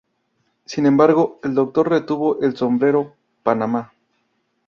Sin embargo, el Doctor retuvo el sombrero Panama.